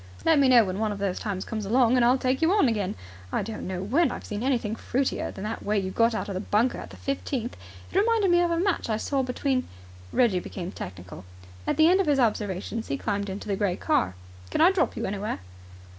"Let me know when one of those times comes along, and I'll take you on again. I don't know when I've seen anything fruitier than the way you got out of the bunker at the fifteenth. It reminded me of a match I saw between " Reggie became technical. At the end of his observations he climbed into the grey car. "Can I drop you anywhere?"